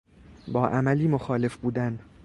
با عملی مخالف بودن